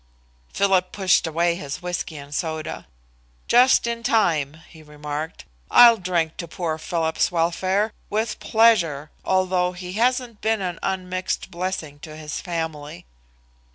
Philip pushed away his whisky and soda. "Just in time," he remarked. "I'll drink to poor Philip's welfare, with pleasure, although he hasn't been an unmixed blessing to his family."